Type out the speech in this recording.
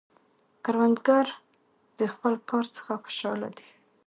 کروندګر د خپل کار څخه خوشحال دی